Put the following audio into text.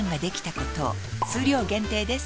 数量限定です